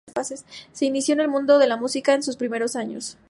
Se inició en el mundo de la música en sus primeros años.